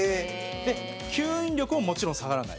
吸引力も、もちろん下がらない。